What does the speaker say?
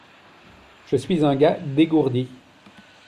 Je suis un gars dégourdi.